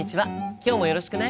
今日もよろしくね。